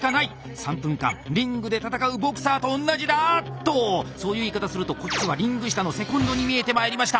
３分間リングで戦うボクサーとおんなじだ！っとそういう言い方するとこっちはリング下のセコンドに見えてまいりました。